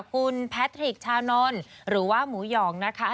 คุณแพทริกชานนท์หรือว่าหมูหยองนะคะ